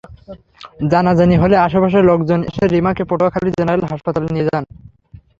জানাজানি হলে আশপাশের লোকজন এসে রিমাকে পটুয়াখালী জেনারেল হাসপাতালে নিয়ে যান।